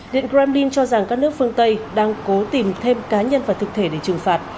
điện kremlin cho rằng các nước phương tây đang cố tìm thêm cá nhân và thực thể để trừng phạt